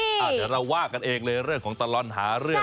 เดี๋ยวเราว่ากันเองเลยเรื่องของตลอดหาเรื่อง